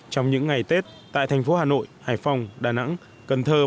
trong những ngày tết tại thành phố hà nội hải phòng đà nẵng cần thơ